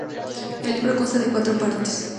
El libro consta de cuatro partes.